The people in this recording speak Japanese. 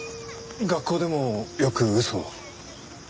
学校でもよく嘘を？